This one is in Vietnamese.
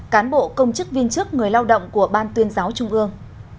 cán bộ công chức viên chức người lao động của ban tuyên giáo trung ương